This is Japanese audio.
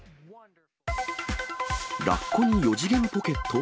ラッコに四次元ポケット？